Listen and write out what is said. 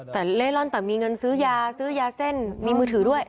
แต่เล่ร่อนแต่มีเงินซื้อยาซื้อยาเส้นมีมือถือด้วย